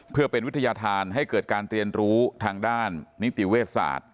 เพื่อเป็นวิทยาธารให้เกิดการเรียนรู้ทางด้านนิติเวชศาสตร์